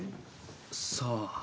さあ。